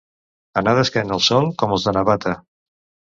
Anar d'esquena al sol, com els de Navata.